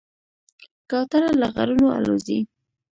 کوتره له غرونو الوزي.